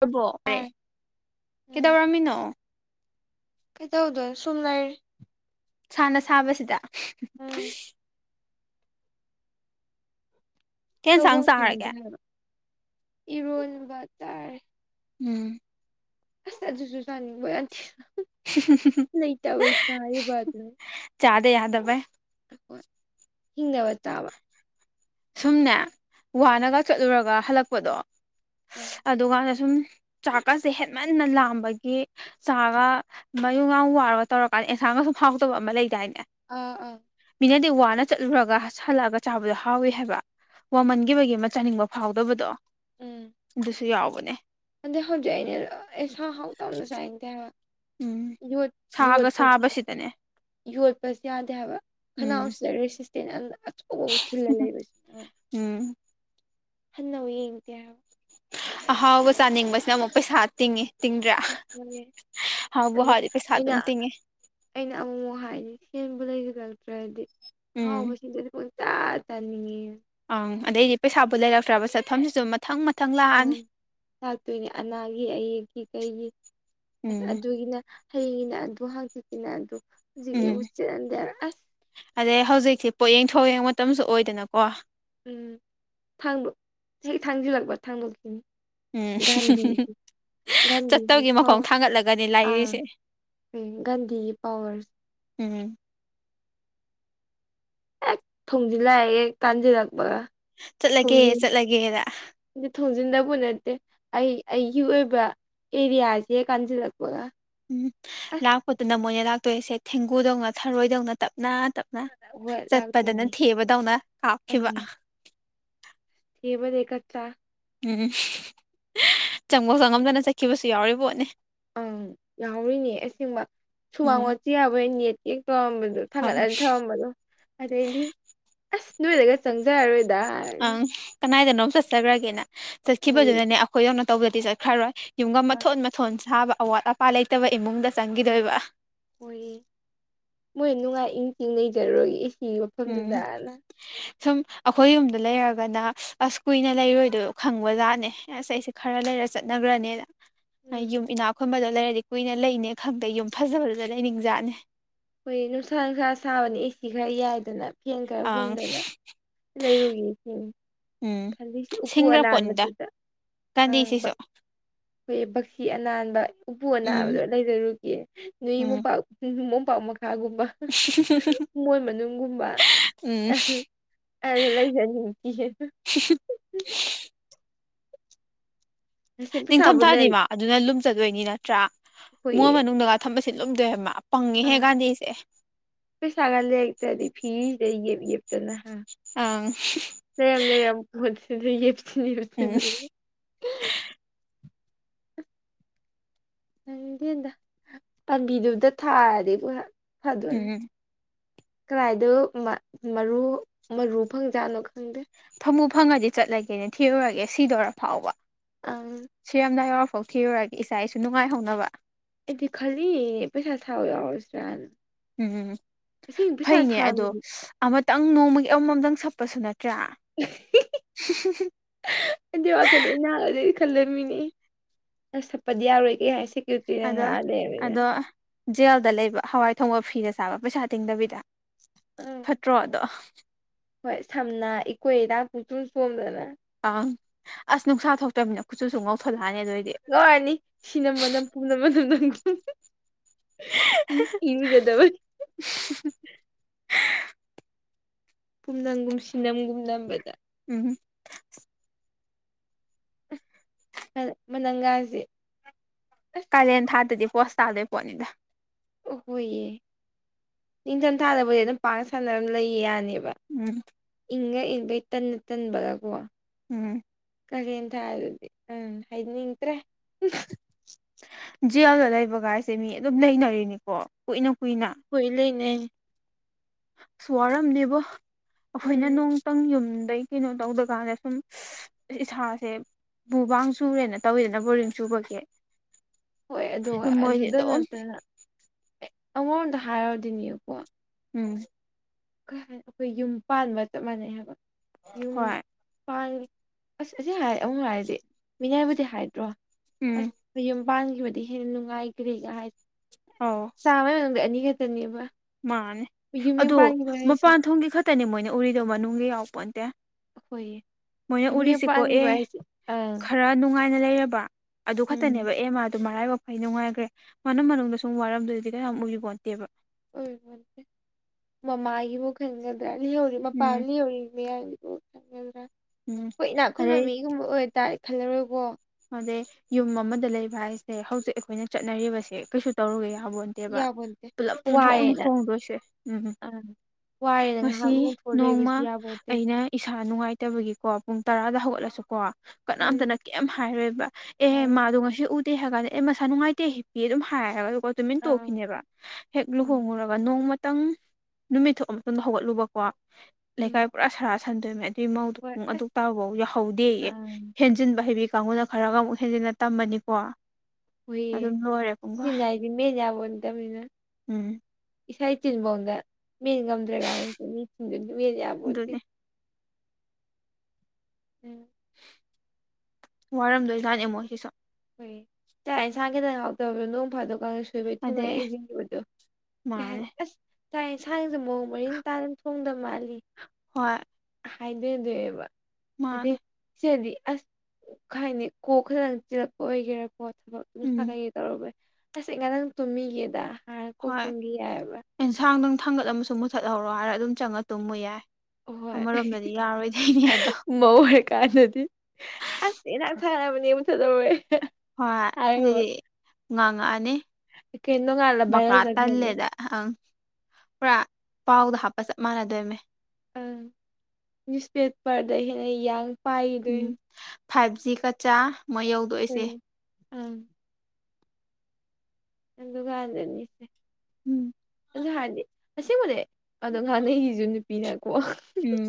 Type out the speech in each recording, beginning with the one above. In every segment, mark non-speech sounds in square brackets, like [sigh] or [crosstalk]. ꯔꯕꯣꯦ ꯇꯥꯔꯦ ꯀꯩꯗꯧꯔꯝꯃꯤꯅꯣ ꯀꯩꯗꯧꯗꯣ ꯁꯣꯝ ꯂꯩꯔ ꯁꯥꯅ ꯁꯥꯕꯁꯤꯗ ꯎꯝ ꯀꯦꯟ ꯆꯥꯡ ꯆꯥꯔꯒꯦ ꯏꯔꯣꯜꯕꯇꯔ ꯎꯝ ꯑꯁꯦ ꯁꯨꯨꯁꯅꯤ ꯅ ꯇꯕꯩ ꯆꯔꯕꯅ ꯆꯥꯗꯦ ꯌꯥꯗꯕ ꯍꯣꯏ ꯍꯤꯡꯅꯕ ꯇꯥꯕ ꯁꯨꯝꯅꯦ ꯎꯝ ꯋꯥꯅꯒ ꯆꯠꯂꯨꯔꯒ ꯍꯜꯂꯛꯄꯗꯣ ꯑꯥ ꯑꯗꯨꯀꯥꯟꯗ ꯁꯨꯝ ꯆꯥꯛꯀꯁꯦ ꯍꯦꯟꯃꯟꯅ ꯂꯥꯝꯕꯒꯤ ꯆꯥꯒ ꯃꯌꯨꯒꯥꯡ ꯋꯥꯔꯒ ꯇꯧꯔꯀꯥꯟꯗ ꯑꯦꯟꯁꯥꯡꯒꯁꯨ ꯐꯥꯎꯗꯕ ꯑꯃ ꯂꯩꯗꯥꯏꯅꯦ ꯎ ꯎꯝ ꯃꯤꯅꯗꯤ ꯋꯥꯅ ꯆꯠꯂꯨꯔꯒ ꯍꯜꯂꯛꯑꯒ ꯆꯥꯕꯗꯣ ꯐꯥꯎꯏꯤ ꯍꯥꯏꯕ ꯋꯥꯃꯟꯈꯤꯕꯒꯤ ꯑꯃ ꯆꯥꯅꯤꯡꯕ ꯐꯥꯎꯗꯕꯗꯣ ꯑꯗꯨꯁꯨ ꯌꯥꯎꯕꯅꯦ ꯑꯗꯨꯗꯩ ꯍꯧꯖꯤꯛ ꯑꯩꯅ ꯑꯦ ꯁꯥ ꯍꯥꯎꯗꯧꯅ ꯆꯥꯏꯅ ꯇꯦꯕ ꯎꯝ ꯌ ꯁꯥꯒ ꯌ ꯄꯁꯤ ꯁꯥꯕꯁꯤꯗꯅꯦ ꯌꯣꯠꯄꯁꯨ ꯌꯥꯗꯦ ꯍꯥꯏꯕ ꯈꯅꯥꯎ ꯎꯝ ꯑꯁꯤꯗ ꯔꯦꯁꯤ ꯇꯦꯅꯗ ꯑꯆꯣ ꯈꯤꯜꯂ ꯂꯩꯕꯁ ꯎꯝ ꯍꯟꯅ ꯌꯦꯡꯗꯦ ꯍꯥꯏꯕ ꯑꯍꯥꯎꯕ ꯆꯥꯅꯤꯡꯕꯁꯤꯅ ꯑꯃꯨꯛ ꯄꯩꯁꯥ ꯇꯤꯡꯉꯤ ꯇꯤꯡꯗ꯭ꯔꯥ ꯕꯍꯥꯗꯤ ꯄꯩꯁꯥ ꯑꯩꯅ ꯑꯗꯨꯝ ꯇꯤꯡꯉꯤ ꯑꯩꯅ ꯑꯃꯨꯛꯃꯨꯛ ꯍꯥꯏꯗꯤ ꯁꯦꯝꯦꯟꯕꯨ ꯂꯩꯁꯤꯂꯛꯇ꯭ꯔꯗꯤ ꯎꯝ ꯍꯥꯎꯕꯕꯁꯤꯗ ꯇ ꯇꯥꯅꯤ ꯑꯪ ꯑꯗꯩꯗꯤ ꯄꯩꯁꯥꯕꯨ ꯂꯩꯔꯛꯇ꯭ꯔꯕ ꯆꯠꯐꯝꯁꯤꯁꯨ ꯃꯊꯪ ꯃꯊꯪ ꯂꯥ ꯑꯪ ꯂꯥꯛꯇꯣꯏꯅꯦ ꯑꯅꯥꯒꯤ ꯑꯌꯦꯛꯀꯤ ꯀꯩꯒꯤ ꯑꯁ ꯎꯝ ꯑꯗꯨꯒꯤꯅ ꯍꯩꯉꯅ ꯑꯗꯨ ꯍꯥꯡꯆꯤꯠꯀꯤꯅ ꯑꯗꯨ ꯎꯝ ꯍꯧꯖꯤꯛꯀꯤꯕꯨꯨ ꯆꯤꯠꯂꯗꯦ ꯑꯁ ꯑꯗꯩ ꯍꯧꯖꯤꯛꯁꯤꯤ ꯄꯣꯌꯦꯡ ꯊꯣꯡ ꯌꯦꯡ ꯃꯇꯝꯁꯨ ꯑꯣꯏꯗꯅꯀꯣ ꯎꯝ ꯊꯥꯡꯕ ꯊꯥꯡꯖꯂꯥꯛꯕ ꯊꯥꯡꯕꯣꯈꯤꯅꯤ ꯎꯝ ꯒꯥꯟꯙꯤꯒꯤ ꯆꯠꯇꯧꯒꯤ ꯃꯈꯣꯡ ꯊꯥꯡꯒꯠꯂꯒꯅꯤ ꯂꯥꯛꯔꯤꯁꯦ ꯎ ꯒꯥꯟꯙꯤꯒꯤ ꯄꯋꯥꯔꯁ ꯎꯝ ꯑꯦ ꯊꯣꯡꯖꯤꯜꯂꯥꯛꯑ ꯑꯦ ꯇꯥꯟꯁꯤꯜꯂꯛꯄꯒ ꯆꯠꯂꯒꯦ ꯆꯠꯂꯒꯦꯗ ꯑꯗꯨ ꯊꯣꯡꯖꯤꯟꯗꯕ ꯅꯠꯇꯦ ꯑꯩ ꯑꯩꯒꯤ ꯑꯣꯏꯕ ꯑꯦꯔꯤꯌꯥꯁꯤꯦ ꯀꯥꯟꯁꯤ ꯂꯥꯛꯄ ꯎꯝ ꯂꯥꯛꯄꯗꯨꯅ ꯃꯣꯏꯅ ꯂꯥꯛꯇꯣꯏꯁꯦ ꯊꯦꯡꯒꯨꯗꯧꯅ ꯊꯔꯣꯏꯗꯧꯅ ꯇꯞꯅ ꯇꯞ ꯍꯣꯏ ꯆꯠꯄꯗꯅ ꯂꯥꯛꯇꯣꯏꯅꯤ ꯊꯦꯕꯗꯧꯅ ꯀꯥꯞꯈꯤꯕ ꯍꯕꯦ ꯆ ꯎꯝ ꯆꯪꯕꯧ ꯆꯪꯉꯝꯗꯅ ꯆꯠꯈꯤꯕꯁꯨ ꯌꯥꯎꯔꯤ ꯄꯣꯠꯅꯤ ꯑꯪ ꯌꯥꯎꯔꯤꯅꯦ ꯑꯁꯦꯡꯕ ꯁꯨꯃꯥꯡ ꯎꯝ ꯋꯥꯆꯦ ꯌꯥꯕꯣꯏ ꯅꯦꯠ ꯀꯦꯛ ꯇꯧꯔꯝꯕꯗ ꯑꯪ ꯊꯥꯡꯒꯠꯂꯅꯤ ꯊꯧꯔꯝꯕꯗꯣ ꯑꯗꯩꯗꯤ ꯑꯁ ꯅꯣꯏꯗꯒ ꯆꯪꯖꯔꯔꯣꯏꯗ ꯍꯥꯏꯔꯒ ꯑꯪ ꯀꯗꯥꯏꯗꯅꯣ ꯆꯠꯆꯈ꯭ꯔꯒꯦꯅ ꯍꯣꯏꯌꯦ ꯆꯠꯈꯤꯕꯗꯨꯅꯅꯦ ꯑꯩꯈꯣꯏ ꯌꯧꯅ ꯇꯧꯕꯗꯗꯤ ꯆꯠꯈ꯭ꯔꯔꯣꯏ ꯌꯨꯝꯒ ꯑ ꯃꯊꯣꯟ ꯃꯊꯣꯟ ꯁꯥꯕ ꯑꯋꯥꯠ ꯑꯄꯥ ꯂꯩꯇꯕ ꯏꯃꯨꯡꯗ ꯆꯪꯈꯤꯗꯣꯏꯕ ꯍꯣꯏꯌꯦ ꯃꯣꯏ ꯅꯨꯡꯉꯥꯏ ꯏꯪ ꯆꯤꯡ ꯂꯩꯖꯔꯔꯣꯏꯒꯦ ꯑꯦ ꯁꯤ ꯎꯝ ꯁꯨꯝ ꯑꯩꯈꯣꯏ ꯌꯨꯝꯗ ꯂꯩꯔꯒꯅ ꯑꯁ ꯀꯨꯏꯅ ꯂꯩꯔꯣꯏꯗꯣ ꯈꯪꯕ ꯖꯥꯠꯅꯦ ꯉꯁ ꯑꯩꯁꯦ ꯈꯔ ꯂꯩꯔ ꯆꯠꯅꯈ꯭ꯔꯅꯦꯅ ꯎꯝ ꯌꯨꯝ ꯏꯅꯥꯛ ꯈꯨꯟꯕꯗꯣ ꯂꯩꯔꯗꯤ ꯀꯨꯏꯅ ꯂꯩꯅꯦ ꯈꯪꯗꯦ ꯌꯨꯝ ꯐꯖꯕꯗꯨꯗ ꯂꯩꯅꯤꯡꯖꯥꯠꯅꯦ ꯑꯩꯈꯣꯏ ꯅꯨꯡꯁꯥ ꯅꯨꯡꯁꯥ ꯁꯥꯕꯅ ꯑꯦꯁꯤ ꯈꯔ ꯌꯥꯏꯗꯅ ꯐꯦꯟ ꯈꯔ ꯑꯪ ꯍꯨꯝꯗꯅ ꯂꯩꯔꯨꯒꯦꯁꯦ ꯎꯝ ꯈꯜꯂꯤꯁꯤ ꯎꯄꯨ ꯑꯅꯥꯟꯕꯗꯨꯗ ꯑꯪ ꯀꯗꯁꯤꯁꯨꯣ ꯑꯩꯈꯣꯏ ꯕꯛꯁꯤ ꯑꯅꯥꯟꯕ ꯎꯄꯨ ꯎꯝ ꯑꯅꯥꯕꯗꯣ ꯂꯩꯖꯔꯨꯒꯦ ꯅꯣꯏ ꯎꯝ ꯃꯨꯄꯥ ꯎ ꯅꯃꯣꯝꯄꯥꯛ ꯃꯈꯥꯒꯨꯝꯕ ꯃꯃꯣꯏ ꯃꯅꯨꯡꯒꯨꯝꯕ ꯎꯝ ꯑ ꯑ ꯂꯩꯖꯅꯤꯦ [inaudible] ꯑꯁꯤ ꯄꯩꯁꯥꯕꯨ ꯂꯩ ꯅꯤꯡꯊꯝꯊꯥꯗꯤꯃ ꯑꯗꯨꯅ ꯂꯨꯝꯖꯗꯣꯏꯅꯤ ꯅꯠꯇ꯭ꯔꯥ ꯃꯣꯏ ꯍꯣꯏꯌꯦ ꯃꯅꯨꯡꯗꯒ ꯊꯝꯁ ꯂꯨꯝꯗꯣꯏꯕꯃ ꯐꯪꯉꯦ ꯍꯦꯛꯀꯥꯟꯗ ꯑꯩꯁꯦ ꯐ ꯁꯒꯥꯏꯂꯛꯇ ꯑꯗꯤ ꯐꯤ ꯂꯩ ꯌꯦꯦꯞꯇꯅ ꯍꯥ ꯑꯥ ꯂꯩꯝ ꯂꯩꯔꯝ ꯃ ꯌꯦꯞꯇ ꯌꯦ ꯎꯝ ꯅꯪꯦꯟꯗ ꯄꯥꯝꯕꯤꯗꯨꯗ ꯊꯥꯔꯗꯤ ꯄꯨꯔ ꯐꯗꯣꯏꯔꯦ ꯎꯝ ꯀꯗꯥꯥꯏꯗ ꯃꯔꯨ ꯃꯔꯨ ꯐꯪꯖꯥꯠꯅꯣ ꯈꯪꯗꯦ ꯐꯃꯨ ꯐꯪꯉꯗꯤ ꯆꯠꯂꯒꯦꯅ ꯊꯤꯔꯨꯔꯒꯦ ꯁꯤꯗꯣꯏꯔ ꯐꯥꯎꯕ ꯑ ꯁꯤꯔꯝꯗꯥꯏ ꯌꯥꯎꯔꯐꯥꯎ ꯊꯤꯔꯨꯔꯒꯦ ꯏꯆꯥ ꯏꯁꯨ ꯅꯨꯡꯉꯥꯏꯍꯧꯅꯕ ꯑꯩꯗꯤ ꯈꯂꯤ ꯄꯩꯁꯥ ꯊꯥ ꯑꯥꯎꯁ ꯔ ꯎꯝ ꯐꯩꯅꯦ ꯑꯗꯣ ꯃꯤꯅꯤ ꯑꯃꯇꯪ ꯅꯣꯡꯃꯒꯤ ꯑꯃꯃꯝꯇꯪ ꯁꯛꯄꯁꯨ ꯅꯠꯇ꯭ꯔꯥ ꯍꯥꯏꯗꯤ ꯋꯥꯈꯟ ꯑ ꯅꯍ ꯑꯗꯨꯗꯩ ꯈꯜꯂꯝꯃꯤꯅꯤ ꯑꯁ ꯊꯛꯄꯗꯤ ꯌꯥꯔꯣꯏ ꯀꯩ ꯍꯥꯏꯁꯤꯦ ꯀꯇꯪ ꯑꯗꯣ ꯑꯗꯦ ꯍꯥꯏꯕꯒ ꯑꯗꯣ ꯖꯦꯜꯗ ꯂꯩꯕ ꯍꯋꯥꯏ ꯊꯣꯡꯕ ꯐꯤꯗ ꯆꯥꯕ ꯄꯩꯁꯥ ꯇꯤꯡꯗꯕꯤꯗ ꯎꯝ ꯐꯠꯇ꯭ꯔꯣ ꯑꯗꯣ ꯍꯣꯏ ꯁꯝꯅ ꯏꯀꯣꯏ ꯍꯤꯗꯥꯛ ꯄꯨꯡꯆꯨꯝ ꯁꯣꯝꯗꯅ ꯑꯪ ꯑꯁ ꯅꯨꯡꯁꯥ ꯊꯣꯛꯇꯃꯤꯅ ꯈꯨꯠꯆꯁꯨ ꯉꯧꯊꯠꯂꯛꯑꯅꯤ ꯑꯗꯨꯑꯣ ꯑꯣꯏꯗꯤ ꯇꯔꯅꯤ ꯁꯤꯅ ꯃꯅꯝ ꯄꯨꯅ ꯃꯅꯝꯗꯪ ꯏꯗꯗꯕ [inaudible] ꯄꯨꯝꯅꯝꯒꯨꯝ ꯁꯤꯅꯝꯒꯨꯝ ꯅꯝꯕꯗ ꯎꯝ ꯃꯅꯪꯒꯥꯁꯤꯦ ꯀꯥꯂꯦꯟ ꯊꯥꯗꯗꯤ ꯄꯣꯁ ꯇꯥꯗꯣꯏ ꯄꯣꯠꯅꯤꯗ ꯑꯍꯣꯏꯌꯦ ꯅꯤꯡꯊꯝꯊꯥꯗꯕꯨꯗꯤ ꯑꯗꯨꯝ ꯄꯥꯛꯅ ꯁꯥꯟꯅꯔꯝ ꯂꯩꯌꯦ ꯌꯥꯅꯦꯕ ꯎꯝ ꯏꯪꯒ ꯏꯟꯕꯩ ꯇꯟꯅ ꯇꯟꯕ ꯂ ꯀꯣ ꯎꯝ ꯀꯀꯦꯟ ꯊꯥꯔꯗꯤ ꯎꯝ ꯍꯥꯏꯅꯤꯡꯗ꯭ꯔꯦ ꯖꯦꯜꯗ ꯂꯩꯕꯒꯥꯏꯁꯦ ꯃꯤ ꯑꯗꯨꯝ ꯂꯩꯅꯔꯤꯅꯤꯀꯣ ꯀꯨꯏꯅ ꯀꯨꯏꯅ ꯄꯣꯏ ꯂꯩꯅꯦ ꯁ ꯋꯥꯔꯝꯅꯦꯕꯣ ꯑꯩꯈꯣꯏꯅ ꯎꯝ ꯅꯨꯡꯇꯪ ꯌꯨꯝꯗꯩ ꯀꯩꯅꯣ ꯇꯧꯗꯀꯥꯟꯗ ꯁꯨꯝ ꯏꯁꯥꯁꯦ ꯨꯕꯥ ꯁꯨꯔꯦꯅ ꯇꯧꯋꯤꯗꯅ ꯕꯣꯔꯤꯡ ꯁꯨꯕꯒꯤ ꯍꯣꯏ ꯑꯗꯨꯒ ꯑꯗꯨꯗ ꯑꯗꯨꯝ ꯅꯠꯇꯅ ꯑꯃꯔꯣꯝꯗ ꯍꯥꯏꯔꯗꯤꯅꯦꯕꯀꯣ ꯎꯝ ꯑꯩꯈꯣꯏ ꯌꯨꯝ ꯄꯥꯟꯕ ꯆꯞ ꯃꯥꯟꯅꯩ ꯍꯥꯏꯕ ꯍꯣꯏ ꯄꯥꯉ ꯑꯁ ꯑꯁꯤ ꯍꯥꯏ ꯑꯃꯨꯛ ꯍꯥꯏꯔꯗꯤ ꯃꯤꯅꯥꯏꯕꯨꯗꯤ ꯍꯥꯏꯗ꯭ꯔꯣ ꯎꯝ ꯌꯨꯝ ꯄꯥꯟꯈꯤꯕꯗꯤ ꯍꯦꯟꯅ ꯅꯨꯡꯉꯥꯏꯈ꯭ꯔꯦꯒ ꯍꯥꯏꯦ ꯑꯣ ꯆꯥꯕꯒꯤ ꯃꯅꯨꯡꯗ ꯑꯅꯤꯈꯛꯇꯅꯦꯕ ꯃꯥꯅꯤ ꯑꯗꯣ ꯃꯄꯥꯟ ꯊꯣꯡꯒꯤ ꯈꯛꯇꯅꯦ ꯃꯣꯏꯅ ꯎꯔꯤꯗꯧ ꯃꯅꯨꯡ ꯌꯥꯎꯄꯣꯟꯇꯦ ꯑꯩꯈꯣꯏꯒꯤ ꯃꯣꯏꯅꯥ ꯌꯨꯝ ꯍꯦꯛ ꯎꯔꯤꯁꯦꯀꯣ ꯑꯦ ꯄꯥꯟꯈꯤꯕ ꯍꯥꯏꯁꯦ ꯑꯪ ꯈꯔ ꯅꯨꯡꯉꯥꯏꯅ ꯂꯩꯔꯕ ꯑꯗꯨ ꯎꯝ ꯈꯛꯇꯅꯦꯕ ꯑꯦꯃ ꯑꯗꯨ ꯃꯔꯥꯏꯕꯛ ꯑꯩ ꯅꯨꯡꯉꯥꯏꯒ꯭ꯔꯦ ꯃꯥ ꯃꯅꯨꯡꯗ ꯁꯨꯝ ꯋꯥꯔꯝꯗꯣꯏꯗꯨꯗꯤ ꯀꯌꯥꯝ ꯎꯕꯤꯕꯣ ꯇꯦꯕ [unintelligible] ꯃꯃꯥꯒꯤꯕꯨ ꯈꯟꯒꯗ꯭ꯔꯥ ꯂꯩꯍꯧꯔꯤ ꯃꯄꯥ ꯎꯝ ꯂꯩꯍꯧꯔꯤ [unintelligible] ꯎꯝ [unintelligible] ꯍꯣꯏ ꯏꯅꯥꯛ ꯈꯨꯟꯕ ꯑꯗꯩ ꯃꯤꯒꯨꯝꯕ ꯑꯣꯏꯇꯥꯔ ꯈꯜꯂꯔꯣꯏꯕꯣ ꯑꯗꯩ ꯌꯨꯝ ꯑꯃꯗ ꯂꯩꯕ ꯍꯥꯏꯁꯦ ꯍꯧꯖꯤꯛ ꯑꯩꯈꯣꯏꯅ ꯆꯠꯅꯔꯤꯕꯁꯦ ꯀꯩꯁꯨ ꯇꯧꯔꯨꯒꯦ ꯌꯥꯕꯣ ꯇꯦꯕ ꯌꯥꯕꯣꯟꯇꯦ ꯄꯨꯂꯞ ꯄꯨꯡ ꯍꯣꯡꯅꯤ ꯋꯥꯔꯦꯅ ꯍꯣꯡꯗꯣꯏꯁꯦ ꯎꯝ ꯑꯪ ꯋꯥꯔꯦꯅ ꯉꯥꯏꯍꯥꯛ ꯉꯁꯤ ꯂꯣꯡꯊꯣꯛꯑ ꯅꯣꯡꯃ ꯂꯩꯕꯁꯨ ꯌꯥꯕꯣꯟꯇꯦ ꯑꯩꯅ ꯏꯁꯥ ꯅꯨꯡꯉꯥꯏꯇꯕꯒꯤ ꯀꯣ ꯄꯨꯡ ꯇꯔꯥꯗ ꯍꯧꯒꯠꯂꯁꯨ ꯀꯣ ꯎꯝ ꯀꯅꯥꯝꯇꯅ ꯀꯩꯝ ꯍꯥꯏꯔꯣꯏꯕ ꯑꯦꯍ ꯍꯥꯏꯔꯣ ꯃꯥꯗꯣ ꯉꯁꯤ ꯎꯗꯦ ꯍꯥꯏ ꯀꯥꯟꯗ ꯑꯦ ꯃꯁꯥ ꯅꯨꯡꯉꯥꯏꯇꯦ ꯍꯤꯞꯄꯤ ꯑꯗꯨꯝ ꯍꯥꯏꯔꯒ ꯇꯨꯃꯤꯟ ꯑꯥ ꯇꯣꯛꯈꯤꯅꯦꯕ ꯍꯦꯛ ꯎꯝ ꯂꯨꯍꯣꯡꯉꯨꯔ ꯅꯣꯡꯃꯇꯪ ꯅꯨꯃꯤꯠ ꯊꯣꯛ ꯃꯇꯨꯡꯗ ꯍꯧꯒꯠꯂꯨꯕꯀꯣ ꯎꯝ ꯂꯩꯀꯥꯏ ꯄꯨꯔꯥ ꯁꯔꯥ ꯁꯟꯗꯣꯏꯃꯦ ꯑꯗꯨꯏ ꯃꯧꯗꯨ ꯍꯣꯏ ꯄꯨꯡ ꯑꯗꯨꯛ ꯑꯁ ꯇꯥꯕꯕꯥꯎ ꯌꯥꯍꯧꯗꯦ ꯑꯦ ꯑꯪ ꯍꯦꯟꯖꯤꯟꯕ ꯍꯩꯕꯤ ꯀꯥꯡꯕꯨꯨꯅ ꯈꯔꯒ ꯑꯃꯨꯛ ꯍꯦꯟꯖꯤꯟꯅ ꯇꯃꯅꯤꯀꯣ ꯍꯣꯢꯌꯦ ꯆꯤꯟ [unintelligible] ꯌꯥꯕ ꯅꯠꯇꯅꯤꯅ ꯎꯝ ꯏꯁꯥ ꯆꯤꯟꯐꯥꯎꯗ ꯃꯤꯅꯤ ꯉꯝꯗ꯭ꯔꯦ ꯀꯥꯏꯅ ꯃꯤ ꯆꯤꯟꯗꯨꯗꯤ ꯃꯤꯟ ꯌꯥꯕꯣꯟꯇꯦ ꯑꯗꯨꯅꯦ ꯎꯝ ꯋꯥꯔꯝꯗꯣꯏ ꯖꯠꯅꯦ ꯃꯣꯏ ꯁꯤꯁꯣ [unintelligible] ꯆꯥꯛ ꯌꯦꯟꯁꯥꯡ ꯈꯤꯇꯪ ꯍꯥꯎꯗꯕꯗꯣ ꯅꯣꯡ ꯐꯥꯗꯣꯛ ꯀ ꯊꯣꯏꯕꯩ ꯑꯗꯩ ꯊꯣꯉꯛꯑꯦ [unintelligible] ꯀꯩ ꯃꯥꯅꯦ ꯍꯥꯏꯅꯤ ꯑꯁ ꯆꯥꯛ ꯌꯦꯟꯁꯥꯡꯁꯦ ꯃꯑꯣꯡ ꯃꯔꯤꯟ ꯇꯥꯅ ꯊꯣꯡꯗꯕ ꯃꯥꯜꯂꯤ ꯍꯣꯏ ꯍꯥꯏꯗꯦꯗꯕ ꯃꯥꯅꯦ [unintelligible] ꯁꯤꯗꯗꯤ ꯑꯁ ꯈꯍꯥꯏꯅꯤ ꯀꯣꯛ ꯈꯗꯪ ꯆꯤꯜꯂꯛꯄ ꯑꯣꯏꯒꯦꯔꯥꯀꯣ [unintelligible] ꯎꯝ ꯇꯧꯔꯨꯨꯒꯦ ꯑꯁ ꯑꯩ ꯉꯗꯪ ꯇꯨꯝꯃꯤꯒꯦꯗꯥꯟ ꯍꯥꯏꯔꯥ ꯀꯣꯛ ꯍꯣꯏ ꯇꯨꯝꯒꯤ ꯌꯥꯌꯦꯕꯥ ꯑꯦꯟꯁꯥꯡꯗꯪ ꯊꯥꯡꯒꯠꯂꯝꯨ ꯃꯨꯊꯠꯍꯧꯔꯣ ꯍꯥꯏꯔ ꯑꯗꯨꯝ ꯆꯪꯉ ꯇꯨꯝꯃꯨ ꯌꯥꯏ ꯍꯣꯏ ꯑꯃꯔꯣꯝꯗꯗꯤ ꯌꯥꯔꯣꯏꯗꯣꯏꯅꯦ ꯑꯗꯣ ꯃꯧ ꯑꯣꯏꯔꯀꯥꯟꯗꯗꯤ ꯑꯁ ꯏꯟꯅꯥꯛ ꯁꯥꯅꯕꯅꯦ [unintelligible] ꯍꯣꯏ ꯑꯗꯨꯗꯤ ꯉꯥꯡꯉꯛꯑꯅꯤ ꯀꯩꯅꯣ ꯅꯣꯡꯉꯥꯜꯂ ꯃꯀꯥ ꯚꯥꯏꯔꯦꯜ ꯆꯠꯈ꯭ꯔꯅꯤ ꯇꯜꯂꯦꯗ ꯑꯪ ꯄꯨꯔꯥ ꯄꯥꯎꯗ ꯍꯥꯞꯄ ꯆꯞ ꯃꯥꯟꯅꯗꯣꯏꯃꯤ ꯑꯪ ꯅ꯭ꯌꯨꯁꯄꯦꯄꯔꯗ ꯍꯦꯟꯅ ꯌꯥꯡ ꯄꯥꯏꯒꯤ ꯗꯣꯏ ꯎꯝ ꯐꯥꯏꯚ ꯖꯤ ꯀꯆꯥ ꯃꯣꯏꯌꯧ ꯍꯣꯏ ꯑꯥ ꯅꯗꯨꯒꯟꯗꯅꯤ ꯎꯝ ꯑꯗꯨ ꯍꯥꯏꯔꯗꯤ ꯑꯁꯦꯡꯕꯅꯦ ꯑꯗꯣ ꯉꯥꯟꯅꯩꯒꯤꯁꯨ ꯅꯨꯄꯤꯅꯀꯣ ꯎꯝ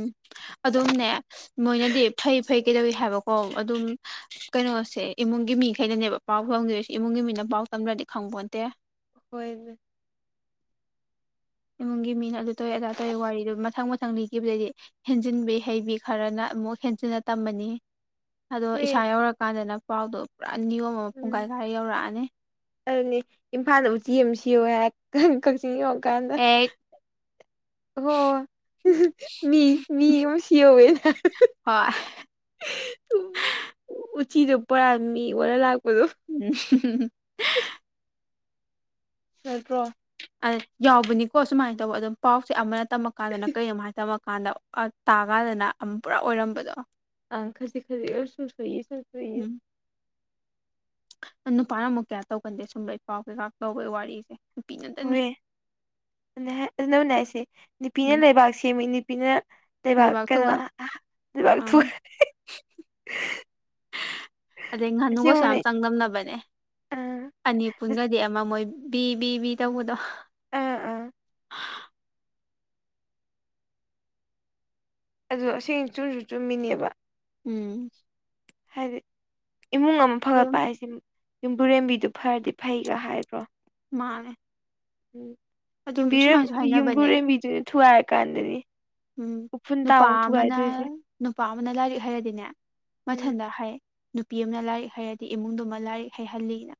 ꯑꯗꯨꯝꯅꯦ ꯃꯣꯏꯅꯗꯤ ꯐꯩ ꯐꯩ ꯀꯩꯗꯧꯋꯤ ꯍꯥꯏꯕꯀꯣ ꯑꯗꯨꯝ ꯀꯩꯅꯣꯁꯦ ꯏꯃꯨꯡꯒꯤ ꯃꯤꯈꯩꯩꯅꯅꯦꯕ ꯄꯥꯎ ꯐꯪꯗꯣꯏꯁꯤ ꯏꯃꯨꯡꯒꯤ ꯃꯤꯅ ꯄꯥꯎ ꯇꯝꯗ꯭ꯔꯗꯤ ꯈꯪꯕꯣꯟꯇꯦ ꯍꯣꯏ ꯏꯃꯨꯡꯒꯤ ꯃꯤꯅ ꯑꯗꯨ ꯇꯧꯋꯦ ꯑꯗꯥ ꯇꯧꯋ ꯋꯥꯔꯤꯗꯨ ꯃꯊꯪ ꯃꯊꯪ ꯂꯤꯒꯤꯕꯗꯩꯗꯤ ꯍꯦꯟꯖꯤꯟꯕꯤ ꯍꯩꯕꯤ ꯈꯔꯅ ꯑꯃꯨꯛ ꯍꯦꯟꯖꯤꯟꯅ ꯇꯝꯃꯅꯤ ꯑꯗꯣ ꯍꯣꯏ ꯏꯁꯥ ꯌꯧꯔꯀꯥꯟꯗꯅ ꯄꯥꯎꯗꯣ ꯄꯨꯔꯥ ꯅꯤꯌꯣꯝ ꯑꯃ ꯄꯨꯡ ꯀꯥꯏ ꯎꯝ ꯀꯥꯏ ꯌꯧꯔꯛꯑꯅꯤ ꯑꯗꯨꯅꯤ ꯏꯝꯐꯥꯜꯗ ꯎꯆꯤ ꯑꯃ ꯁꯤꯌꯣ ꯍꯥꯏ ꯀꯛꯆꯤꯡ ꯌꯧꯉꯀꯥꯟꯗ ꯑꯦ ꯑꯣ ꯃꯤ ꯃꯤ ꯁꯤ ꯌꯋꯦ [unintelligible] ꯍꯣꯏ [unintelligible] ꯎ ꯎꯆꯤꯗꯣ ꯄꯣꯔꯥ ꯃꯤ ꯑꯣꯔ ꯂꯥꯛꯄꯗꯣ [unintelligible] [inaudible] ꯍꯥꯏꯠꯇ꯭ꯔꯣ ꯑ ꯌꯥꯎꯕꯅꯤꯀꯣ ꯁꯨꯃꯥꯏꯅ ꯇꯧꯕ ꯑꯗꯨꯝ ꯄꯥꯎꯁꯦ ꯑꯃꯅ ꯇꯝꯃꯀꯥꯟꯗꯅ ꯀꯔꯤꯃꯥꯏꯅ ꯇꯝꯃꯀꯥꯟꯗ ꯇꯥꯀꯥꯟꯗꯅ ꯑꯃ ꯄꯨꯔꯥ ꯑꯣꯏꯔꯝꯕꯗꯣ ꯑ ꯈꯖꯤ ꯈꯖꯤꯁꯨꯨꯡ ꯁꯣꯏꯏ ꯁꯨꯡ ꯁꯣꯏꯏ ꯎꯝ ꯅꯨꯄꯥꯅ ꯑꯃꯨꯛ ꯀꯌꯥ ꯇꯧꯒꯟꯗꯦ ꯁꯨꯝꯕ ꯏ ꯄꯥꯎ ꯀꯩꯀꯥ ꯇꯧꯋꯦ ꯋꯥꯔꯤꯁꯦ ꯅꯨꯄꯤ ꯉꯥꯛꯇꯅꯤ ꯍꯋꯦ ꯑꯗꯨꯅꯕꯨꯅꯥꯏꯁꯤ ꯅꯨꯄꯤꯅ ꯎꯝ ꯂꯩꯕꯥꯛ ꯁꯦꯝꯃꯤ ꯅꯨꯄꯤꯅ ꯂꯩꯕꯥꯛ ꯀꯩꯅꯣ ꯂꯩꯕꯥꯛ ꯊ ꯎꯝ [inaudible] ꯑꯗꯩ ꯉꯥꯅꯨꯒꯁꯨ ꯑꯁꯦꯡꯕꯅꯦ ꯌꯥꯝ ꯆꯥꯡꯗꯝꯅꯕꯅꯦ ꯑꯥ ꯑꯅꯤ ꯄꯨꯟꯒꯗꯤ ꯑꯃ ꯃꯣꯏ ꯕꯤ ꯕꯤ ꯕꯤ ꯇꯧꯕꯗꯣ ꯑꯥ ꯑꯥ ꯑꯗꯨꯗꯣ ꯑꯁꯦꯡ ꯆꯨꯝꯁꯨ ꯆꯨꯝꯃꯤꯅꯦꯕ ꯎꯝ ꯍꯥꯏꯗꯤ ꯏꯃꯨꯡ ꯑꯃ ꯑꯗꯨꯝ ꯐꯒꯠꯄ ꯍꯥꯏꯁꯦ ꯌꯨꯝꯕꯨꯔꯦꯝꯕꯤꯗꯨ ꯐꯔꯗꯤ ꯐꯩꯒ ꯍꯥꯏꯕ꯭ꯔꯣ ꯃꯥꯅꯦ ꯎꯝ ꯌꯕꯤ ꯍꯥꯏꯅꯕꯅꯦ ꯌꯨꯝꯕꯨꯔꯦꯝꯕꯤꯗꯨꯅ ꯊꯨꯒꯥꯏꯔꯀꯥꯟꯗꯅꯤ ꯎꯝ ꯎꯐꯨꯟ ꯇ ꯅꯨꯄꯥ ꯎ ꯑꯃꯅ ꯊꯨꯒꯥꯏꯗꯣꯏꯁꯦ ꯅꯨꯄꯥ ꯑꯃꯅ ꯂꯥꯏꯔꯤꯛ ꯍꯩꯔꯗꯤꯅꯦ ꯎꯝ ꯃꯊꯟꯇ ꯍꯥꯏ ꯅꯨꯄꯤ ꯑꯃꯅ ꯂꯥꯏꯔꯤꯛ ꯍꯩꯔꯗꯤ ꯏꯃꯨꯡꯗꯨꯃ ꯂꯥꯏꯔꯤꯛ ꯍꯩꯍꯜꯂꯤꯅ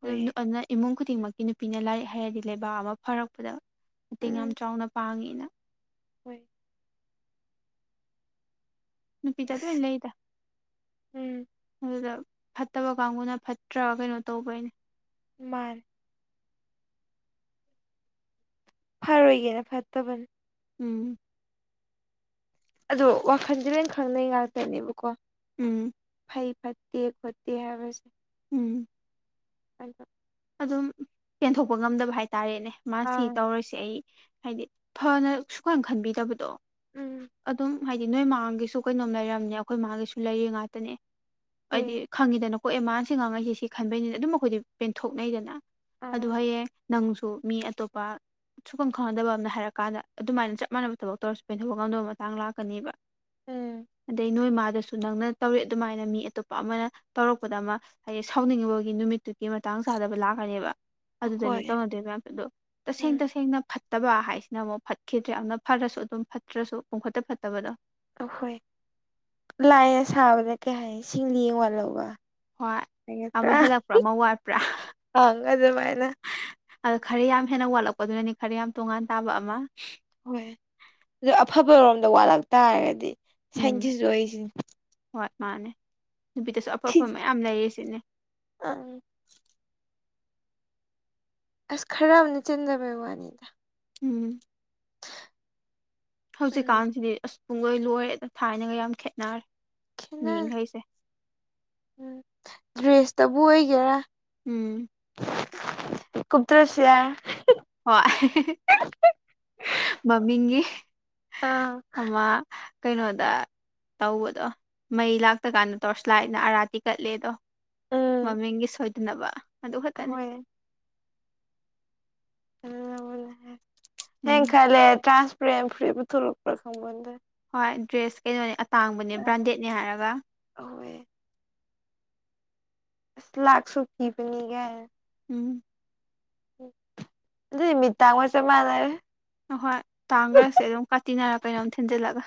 ꯍꯣꯏꯌꯦ ꯏꯃꯨꯡ ꯈꯨꯗꯤꯡꯃꯛꯀꯤ ꯅꯨꯄꯤꯅ ꯂꯥꯏꯔꯤꯛ ꯍꯩꯔꯗꯤ ꯂꯩꯕꯥꯛ ꯑꯃ ꯐꯔꯛꯄꯗ ꯃꯇꯦꯡ ꯌꯥꯝ ꯎꯝ ꯆꯥꯎꯅ ꯄꯥꯡꯉꯦꯅ ꯍꯣꯏ ꯅꯨꯄꯤꯗ ꯑꯁ ꯂꯣꯏ ꯂꯩꯗ ꯎꯝ ꯑꯗꯨꯗ ꯐꯠꯇꯕ ꯀꯥꯡꯕꯨꯅ ꯐꯠꯇ꯭ꯔ ꯀꯩꯅꯣ ꯇꯧꯕꯩꯅꯦ ꯃꯥꯅꯤ ꯐꯔꯣꯏꯒꯦꯅ ꯐꯠꯇꯕꯅꯤ ꯎꯝ ꯑꯗꯣ ꯋꯥꯈꯟꯗꯤ ꯂꯣꯏ ꯈꯪꯅꯩ ꯉꯥꯛꯇꯅꯦꯕꯀꯣ ꯎꯝ ꯐꯩ ꯐꯠꯇꯦ ꯈꯣꯠꯇꯦ ꯍꯥꯏꯕꯁꯦ ꯎꯝ [unintelligible] ꯑꯗꯨꯝ ꯄꯦꯟꯊꯣꯛꯄ ꯉꯝꯗꯕ ꯍꯥꯏꯇꯥꯔꯦꯅꯦ ꯃꯥ ꯁꯤ ꯑꯥ ꯇꯧꯔꯁꯦ ꯑꯩ ꯍꯥꯏꯗꯤ ꯐꯅ ꯁꯨꯀꯥꯟ ꯈꯟꯕꯤꯗꯕꯗꯣ ꯎꯝ ꯑꯗꯨꯝ ꯍꯥꯏꯗꯤ ꯅꯣꯏ ꯃꯃꯥꯡꯒꯤꯁꯨ ꯀꯩꯅꯣꯝ ꯂꯩꯔꯝꯅꯦ ꯑꯩꯈꯣꯏ ꯃꯥꯥꯡꯒꯤꯁꯨ ꯂꯩꯔꯤ ꯉꯥꯛꯇꯅꯦ ꯍꯥꯏꯗꯤ ꯍꯨꯏ ꯈꯪꯉꯤꯗꯅ ꯍꯣꯏ ꯑꯦꯃꯥꯟꯁꯤ ꯉꯥꯡꯉꯩꯁꯦ ꯁꯤ ꯈꯟꯕꯩꯅꯤꯅ ꯑꯗꯨꯝ ꯑꯩꯈꯣꯏꯗꯤ ꯄꯦꯟꯊꯣꯛꯅꯩꯗꯅ ꯑꯥ ꯑꯗꯨꯣ ꯍꯌꯦꯡ ꯅꯪꯁꯨ ꯃꯤ ꯑꯇꯣꯞꯄ ꯁꯨꯐꯝꯝ ꯈꯪꯅꯗꯕ ꯑꯃꯅ ꯍꯥꯏꯔ ꯀꯥꯟꯗ ꯑꯗꯨꯃꯥꯏꯅ ꯆꯞ ꯃꯥꯟꯅꯕ ꯊꯕꯛ ꯇꯧꯔꯁꯨ ꯄꯦꯟꯊꯣꯛꯄ ꯉꯝꯗꯕ ꯃꯇꯥꯡ ꯂꯥꯛꯀꯅꯦꯕ ꯎꯝ ꯑꯗꯩ ꯅꯣꯏ ꯃꯥꯗꯁꯨ ꯅꯪꯅ ꯇꯧꯔꯛ ꯑꯗꯨꯃꯥꯏꯅ ꯃꯤ ꯑꯇꯣꯞꯄ ꯑꯃꯅ ꯇꯧꯔꯛꯄꯗ ꯑꯃ ꯍꯥꯏꯗꯤ ꯁꯥꯎꯅꯤꯡꯉꯕꯒꯤ ꯅꯨꯃꯤꯠꯇꯨꯒꯤ ꯃꯇ ꯃꯇꯥꯡ ꯆꯥꯗꯕ ꯂꯥꯛꯀꯅꯦꯕ ꯑꯗꯨꯗꯅꯤ ꯑꯩꯈꯣꯏ ꯇꯧꯅꯗꯣꯏꯕ ꯃꯌꯥꯝ ꯑꯗꯣ ꯇꯁꯦꯡ ꯎꯝ ꯇꯁꯦꯡꯅ ꯐꯠꯇꯕ ꯍꯥꯏꯁꯤꯅ ꯑꯃꯨꯛ ꯐꯠꯈꯤꯗ꯭ꯔꯦ ꯌꯥꯝꯅ ꯐꯔꯁꯨ ꯑꯗꯨꯝ ꯐꯠꯇ꯭ꯔꯁꯨ ꯄꯨꯡꯈꯠꯇ ꯐꯠꯇꯕꯗꯣ ꯑꯈꯣꯏ ꯂꯥꯏꯅ ꯁꯥꯕꯗ ꯀꯩ ꯍꯥꯏ ꯁꯤꯡꯂꯤ ꯌꯦꯡ ꯋꯥꯠꯍꯧꯕ ꯍꯣꯏ ꯑꯃ ꯠꯇ ꯍꯦꯜꯂꯛꯄ꯭ꯔꯥ ꯑꯃ ꯍꯒꯥꯖꯃꯥꯏꯅ ꯑ ꯈꯔ ꯌꯥꯝ ꯍꯦꯟꯅ ꯋꯥꯠꯂꯛꯄꯗꯨꯅꯅꯤ ꯈꯔ ꯌꯥꯝ ꯇꯣꯉꯥꯟ ꯇꯥꯕ ꯑꯃ ꯍꯣꯏ ꯑꯗꯨ ꯑꯐꯕꯔꯣꯝꯗ ꯋꯥꯠꯂꯛ ꯇꯥꯔꯒꯗꯤ ꯎꯝ ꯁꯥꯏꯁꯤꯁꯨ ꯑꯩꯁꯤ ꯍꯣꯏ ꯃꯥꯅꯦ ꯅꯨꯄꯤꯗꯁꯨ ꯑꯐ ꯑꯐꯕ ꯃꯌꯥꯝ ꯂꯩꯔꯤ ꯁꯤꯅꯦ ꯑ ꯑꯁ ꯈꯔ ꯑꯃꯅ ꯆꯦꯟꯗꯕꯩ ꯋꯥꯅꯤꯗ ꯎꯝ ꯎꯝ ꯍꯧꯖꯤꯛꯀꯥꯟꯁꯤꯗꯤ ꯑꯁ ꯄꯨꯡꯂꯣꯏ ꯂꯣꯏꯔꯦꯗ ꯊꯥꯏꯅꯒ ꯌꯥꯝ ꯈꯦꯠꯅꯔꯦ ꯈꯦꯠꯅꯔꯦ ꯃꯤꯈꯩꯁꯦ ꯎꯝ ꯗ꯭ꯔꯦꯁꯇꯕꯨ ꯑꯣꯏꯒꯦꯔꯥ ꯎꯝ ꯀꯨꯞ ꯇ꯭ꯔꯁꯨ ꯌꯥ ꯍꯣꯏ ꯃꯃꯤꯡꯒꯤ ꯑꯥ ꯑꯃ ꯀꯩꯅꯣꯗ ꯇꯧꯕꯗꯣ ꯃꯩ ꯂꯥꯛꯇ ꯀꯥꯟꯗ ꯇꯣꯔꯁꯂꯥꯏꯠꯅ ꯑꯥꯔꯥꯇꯤ ꯀꯠꯂꯦ ꯑꯗꯣ ꯎꯝ ꯃꯃꯤꯡꯒꯤ ꯁꯣꯏꯗꯅꯕ ꯑꯗꯨ ꯈꯛꯇꯅꯤ ꯍꯣꯏ ꯎ ꯎꯝ ꯑꯩꯟ ꯈꯜꯂꯦ ꯇ꯭ꯔꯥꯟꯁꯄꯔꯦꯟ ꯐꯨꯔꯤꯠ ꯄꯨꯊꯣꯔꯛꯄ꯭ꯔꯥ ꯈꯪꯄꯣꯇꯦ ꯍꯣꯏ ꯗ꯭ꯔꯦꯁ ꯀꯩꯅꯣꯅꯦ ꯑꯇꯥꯡꯕꯅꯦ ꯑꯥ ꯕ꯭ꯔꯥꯟꯗꯦꯗꯅꯦ ꯍꯥꯏꯔꯒ ꯑꯍꯣꯏ ꯂꯥꯛꯁꯨꯛ ꯄꯤꯕꯅꯤꯒꯥꯟꯏ ꯎꯝ ꯑꯗꯨꯗꯤ ꯃꯤꯇꯥꯡꯕꯒ ꯆꯞ ꯃꯥꯥꯅꯔꯦ ꯑꯍꯣꯏ ꯇꯥꯡꯈ꯭ꯔꯁꯦ ꯑꯗꯨꯝ ꯀꯥꯇꯤꯅꯔ ꯀꯩꯅꯣꯝ ꯊꯤꯟꯖꯜꯂꯒ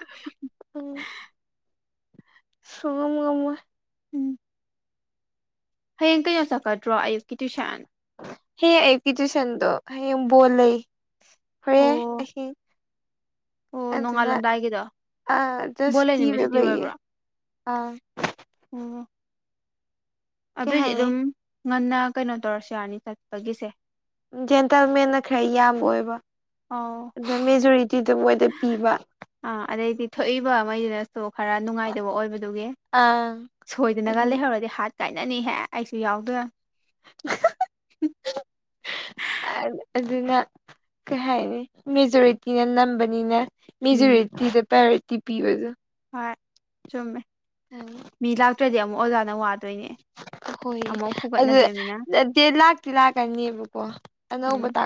ꯁꯨꯉꯝ ꯉꯝꯃꯣꯏ ꯎꯝ ꯍꯌꯦꯡ ꯀꯩꯅꯣ ꯆꯀꯗ꯭ꯔꯣ ꯑꯌꯨꯛꯀꯤ ꯇꯨꯏꯁꯟ ꯍꯌꯦꯡ ꯑꯌꯨꯛꯀꯤ ꯇꯨꯏꯁꯟꯗꯣ ꯍꯌꯦꯡ ꯕꯣꯜ ꯂꯩ ꯍꯣꯔꯦꯟ ꯑꯣ ꯑꯍꯤꯡ ꯑꯣ ꯑꯗꯨꯅ ꯅꯣꯡꯉꯥꯜꯂꯝꯗꯥꯏꯒꯤꯗꯣ ꯑꯗ ꯕꯣꯜ ꯂꯩ ꯅꯨꯃꯤꯠ ꯁꯨꯇꯤ ꯁꯨꯇꯤꯄꯤꯕꯒꯤ ꯑꯣꯏꯕ꯭ꯔꯣ ꯑꯥ ꯑꯣ ꯀꯩ ꯑꯗꯨꯏꯗꯤ ꯍꯥꯏꯅꯤ ꯑꯗꯨꯝ ꯉꯟꯅ ꯀꯩꯅꯣ ꯇꯧꯔꯁꯨ ꯌꯥꯔꯅꯤ ꯆꯠꯄꯒꯤꯁꯦ ꯖꯦꯟꯇꯜ ꯃꯦꯟꯅ ꯈꯔ ꯌꯥꯝꯕ ꯑꯣꯏꯕ ꯑꯧ ꯑꯗ ꯃꯦꯖꯣꯔꯤꯇꯤꯗ ꯃꯣꯏꯗ ꯄꯤꯕ ꯑꯥ ꯑꯗꯩꯗꯤ ꯊꯣꯛꯏꯕ ꯑꯃꯒꯤꯗ ꯑꯣ ꯈꯔ ꯅꯨꯡꯉꯥꯏꯗꯕ ꯑꯣꯏꯕꯗꯨꯒꯤ ꯑꯥ ꯁꯣꯏꯗꯅꯒ ꯑꯗꯨ ꯂꯩꯍꯧꯔꯗꯤ ꯍꯥꯠ ꯀꯥꯏꯅꯅꯤꯍꯦ ꯑꯩꯁꯨ ꯌꯥꯎꯗꯣꯏ [inaudible] ꯑ ꯑꯗꯨꯅ ꯀꯩ ꯍꯥꯏꯅꯤ ꯃꯦꯖꯣꯔꯤꯇꯤꯅ ꯅꯝꯕꯅꯤꯅ ꯎꯝ ꯃꯦꯖꯣꯔꯤꯇꯤꯗ ꯄ꯭ꯔꯥꯏꯌꯣꯔꯤꯇꯤ ꯄꯤꯕꯗꯣ ꯍꯣꯏ ꯆꯨꯝꯃꯦ ꯑꯝ ꯃꯤ ꯂꯥꯛꯇ꯭ꯔꯗꯤ ꯑꯃꯨꯛ ꯑꯣꯖꯥꯅ ꯋꯥ ꯇꯣꯏꯅꯦ ꯍꯣꯏ ꯑꯗꯨ ꯂꯥꯛꯇꯤ ꯂꯥꯛꯀꯅꯦꯕꯀꯣ ꯎꯝ ꯑꯅꯧꯕꯗ